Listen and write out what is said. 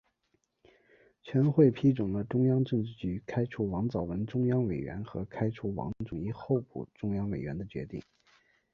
全会批准了中央政治局开除王藻文中央委员和开除王仲一候补中央委员的决定。